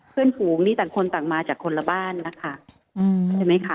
เพื่อนฝูงนี่ต่างคนต่างมาจากคนละบ้านนะคะ